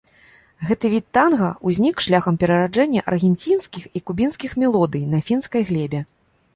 Гэты від танга ўзнік шляхам перараджэння аргенцінскіх і кубінскіх мелодый на фінскай глебе.